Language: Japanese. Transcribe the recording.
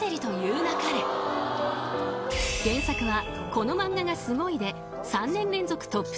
［原作は］